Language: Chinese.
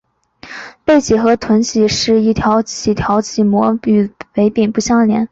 背鳍与臀鳍的最后一鳍条鳍膜与尾柄不相连。